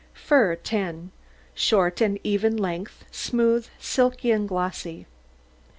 FUR 10 Short, of even length, smooth, silky, and glossy.